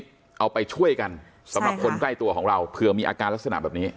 สำหรับคนใกล้ตัวของเราเผื่อมีอาการลักษณะแบบนี้